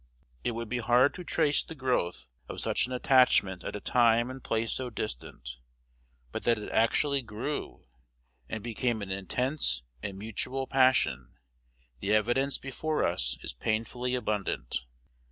It would be hard to trace the growth of such an attachment at a time and place so distant; but that it actually grew, and became an intense and mutual passion, the evidence before us is painfully abundant.